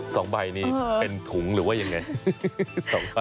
สองใบนี่เป็นถุงหรือว่ายังไง